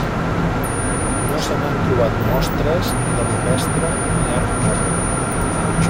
No se n'han trobat mostres ni de rupestre ni art moble.